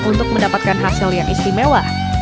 untuk mendapatkan hasil yang istimewa